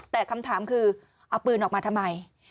แต่คำถามคือเอาปืนออกมาทำไม